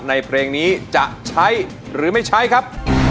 เพลงนี้จะใช้หรือไม่ใช้ครับ